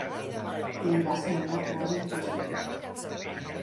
Li va semblar quasi impossible.